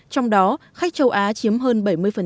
trong đó khách châu á chiếm hơn bảy mươi